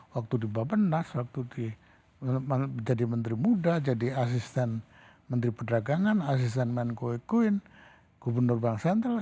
waktu di babendas waktu di jadi menteri muda jadi asisten menteri perdagangan asisten menkoe kuin gubernur bank sentral